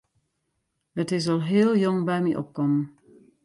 It is al heel jong by my opkommen.